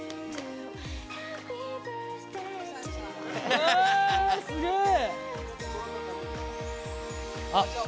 うわすげえ。